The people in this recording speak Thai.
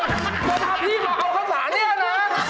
เธอท่าพี่เหมาะเอาข้าวสารนี่นะ